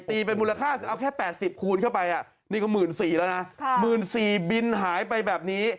ตีเป็นมูลค่าเอาแค่๘๐คูณเข้าไปนี่ก็๑๔๐๐แล้วนะ๑๔๐๐บินหายไปแบบนี้